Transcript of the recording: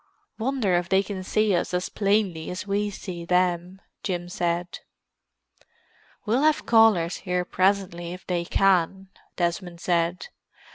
"Wonder if they can see us as plainly as we see them," Jim said. "We'll have callers here presently if they can," Desmond said.